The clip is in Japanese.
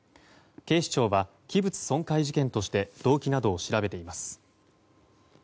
警視庁は、器物損壊事件として動機などを調べています。